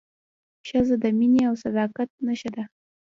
ښځه د مینې او صداقت نښه ده.